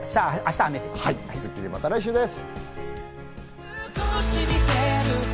『スッキリ』はまた来週です。